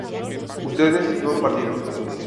ustedes no han partido